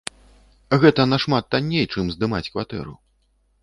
Гэта нашмат танней, чым здымаць кватэру.